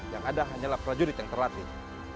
yang ada hanyalah prajurit yang terlatih